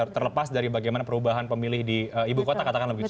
terlepas dari bagaimana perubahan pemilih di ibu kota katakanlah begitu